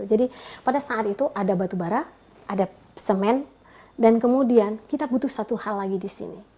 jadi pada saat itu ada batu bara ada semen dan kemudian kita butuh satu hal lagi di sini